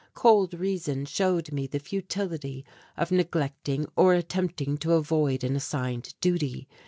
Cold reason showed me the futility of neglecting or attempting to avoid an assigned duty.